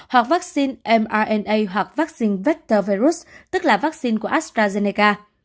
hoặc vaccine mna hoặc vaccine vector virus tức là vaccine của astrazeneca